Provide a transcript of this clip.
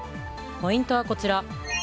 ポイントは、こちら。